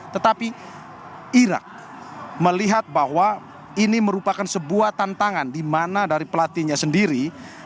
tetapi irak melihat bahwa ini merupakan sebuah tantangan di mana dari pelatihnya sendiri